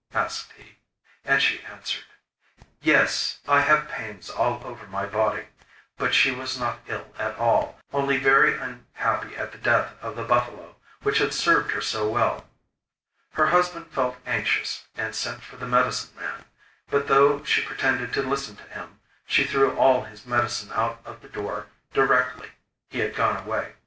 asked he. And she answered: 'Yes; I have pains all over my body.' But she was not ill at all, only very unhappy at the death of the buffalo which had served her so well. Her husband felt anxious, and sent for the medicine man; but though she pretended to listen to him, she threw all his medicine out of the door directly he had gone away.